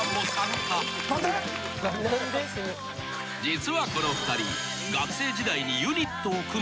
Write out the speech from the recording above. ［実はこの２人］